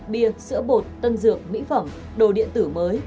bia sữa bột tân dược mỹ phẩm đồ điện tử mới